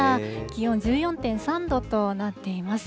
気温１４．３度となっています。